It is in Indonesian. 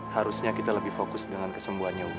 harusnya kita lebih fokus dengan kesembuhannya